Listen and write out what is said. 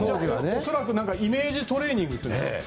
恐らくイメージトレーニングっていうんですか。